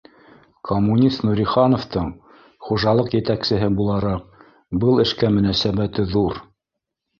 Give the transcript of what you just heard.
Коммунист Нурихановтың, хужалыҡ етәксеһе булараҡ, был эшкә мөнәсәбәте ҙур